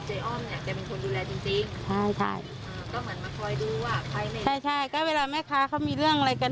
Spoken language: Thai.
อ้อมเนี่ยแกเป็นคนดูแลจริงจริงใช่ใช่อ่าก็เหมือนมาคอยดูว่าใครใช่ใช่ก็เวลาแม่ค้าเขามีเรื่องอะไรกัน